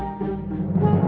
aduh kebentur lagi